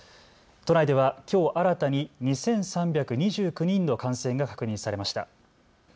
都内ではきょう新たに２３２９人の感染が確認されました。